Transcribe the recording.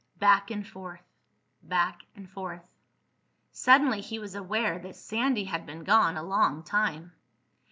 Back and forth ... back and forth.... Suddenly he was aware that Sandy had been gone a long time.